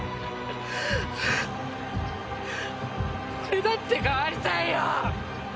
俺だって変わりたいよ！